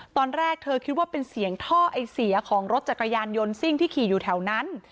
ตอนแรกเธอคิดว่าเป็นเสียงท่อไอเสียของรถจักรยานยนต์ซิ่งที่ขี่อยู่แถวนั้น